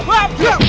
mau pukul pukul